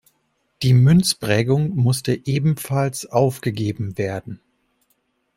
Die Münzprägung musste ebenfalls aufgegeben werden.